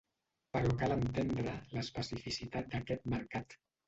Però cal entendre l’especificitat d’aquest mercat.